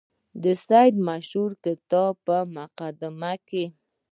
د سید مشهور کتاب په مقدمه کې.